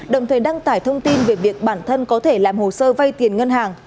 đồng thời đăng tải thông tin về việc bản thân có thể làm hồ sơ vay tiền ngân hàng